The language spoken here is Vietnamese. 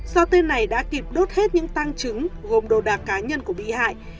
do tên này đã kịp đốt hết những tăng chứng gồm đồ đạc cá nhân của bị hại